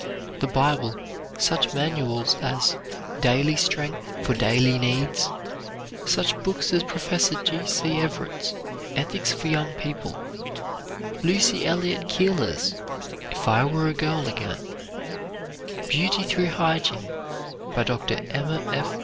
The Bible, such manuals as "Daily Strength for Daily Needs," such books as Professor C. C. Everett's "Ethics for Young People"; Lucy Elliott Keeler's "If I Were a Girl Again"; "Beauty through Hygiene," by Dr. Emma F.